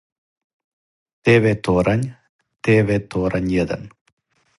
Тв торањ те ве торањ један